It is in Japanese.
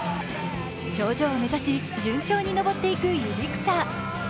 頂上を目指し順調に登っていく百合草。